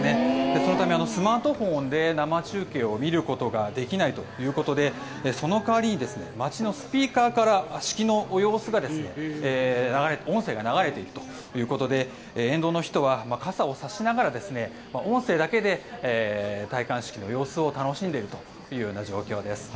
そのため、スマートフォンで生中継を見ることができないということでその代わりに街のスピーカーから式の様子が音声が流れているということで沿道の人は傘をさしながら音声だけで戴冠式の様子を楽しんでいるというような状況です。